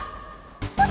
kok diam aja sih